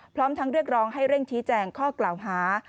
พร้อมทั้งเรียกร้องให้เร่งชี้แจงข้อกล่าวหา